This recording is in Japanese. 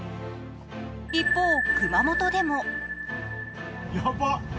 一方、熊本でも。